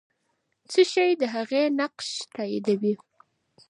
څه شی د هغې نقش تاییدوي؟